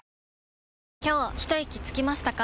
今日ひといきつきましたか？